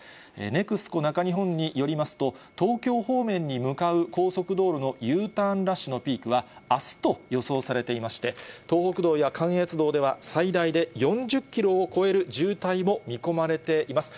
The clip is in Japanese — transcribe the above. ネクスコ中日本によりますと、東京方面に向かう高速道路のＵターンラッシュのピークは、あすと予想されていまして、東北道や関越道では、最大で４０キロを超える渋滞も見込まれています。